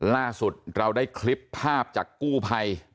ล่าสุดเราได้คลิปภาพจากกู้ภัย